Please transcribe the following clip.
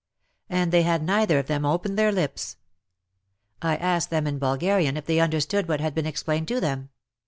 And they had neither of them opened their lips. I asked them in Bulgarian if they understood what had been explained to them.